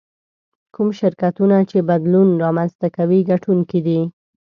کوم شرکتونه چې بدلون رامنځته کوي ګټونکي دي.